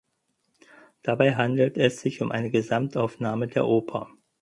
Dabei handelt es sich um eine Gesamtaufnahme der Oper.